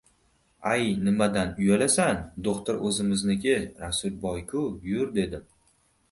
— Ay, nimadan uyalasan, do‘xtir o‘zimizni Rasulboy-ku, yur, — dedim.